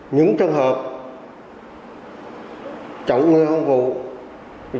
những trường hợp chống người không vụ thì chúng tôi sẽ kiết quyết xử lý theo quy định của pháp luật